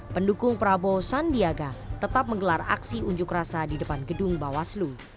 pendukung prabowo sandiaga tetap menggelar aksi unjuk rasa di depan gedung bawaslu